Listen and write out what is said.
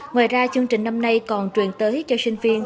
ngoài ra chương trình năm nay còn truyền tới cho sinh viên